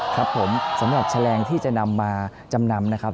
ครับผมสำหรับแฉลงที่จะนำมาจำนำนะครับ